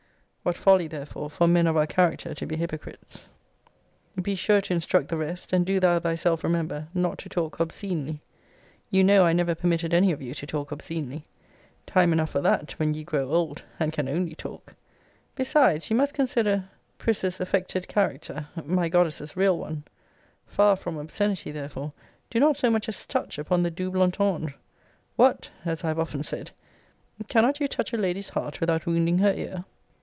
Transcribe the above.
What folly, therefore, for men of our character to be hypocrites! Be sure to instruct the rest, and do thou thyself remember, not to talk obscenely. You know I never permitted any of you to talk obscenely. Time enough for that, when ye grow old, and can ONLY talk. Besides, ye must consider Prisc.'s affected character, my goddess's real one. Far from obscenity, therefore, do not so much as touch upon the double entendre. What! as I have often said, cannot you touch a lady's heart without wounding her ear?